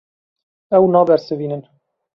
Ew nabersivînin.